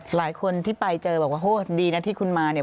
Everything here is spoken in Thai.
หลายคนที่ไปเจอบอกว่าโหดีนะที่คุณมาเนี่ย